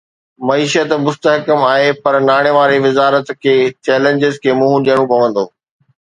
معيشت مستحڪم آهي پر ناڻي واري وزارت کي چئلينجز کي منهن ڏيڻو پوندو